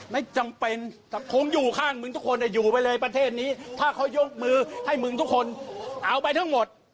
ไม่จำเป็นคงอยู่ข้างมึงทุกคนอยู่ไปเลยประเทศนี้ถ้าเขายกมือให้มึงทุกคนเอาไปทั้งหมด